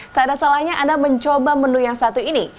tak ada salahnya anda mencoba menu yang satu ini